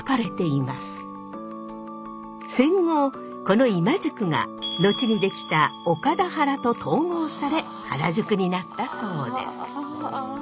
戦後この今宿が後にできた岡田原と統合され原宿になったそうです。